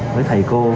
với thầy cô